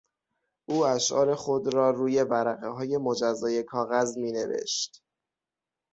او اشعار خود را روی ورقههای مجزای کاغذ مینوشت.